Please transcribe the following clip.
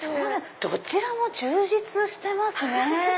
どちらも充実してますね！